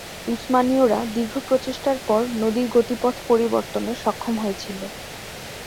উসমানীয়রা দীর্ঘ প্রচেষ্টার পর নদীর গতিপথ পরিবর্তনে সক্ষম হয়েছিল।